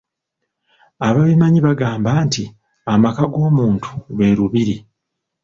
Ababimanyi bagamba nti amaka g‘omuntu lwe Lubiri.